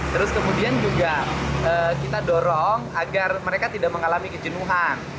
terus kemudian juga kita dorong agar mereka tidak mengalami kejenuhan